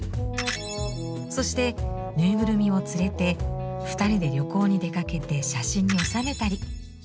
そしてぬいぐるみを連れて２人で旅行に出かけて写真に収めたり。